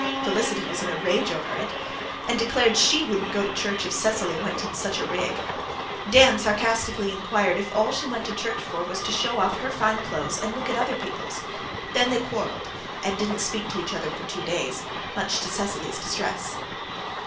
Felicity was in a rage over it, and declared SHE wouldn't go to church if Cecily went in such a rig. Dan sarcastically inquired if all she went to church for was to show off her fine clothes and look at other people's; then they quarrelled and didn't speak to each other for two days, much to Cecily's distress.